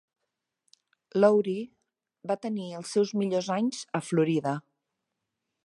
Lowry va tenir els seus millors anys a Florida.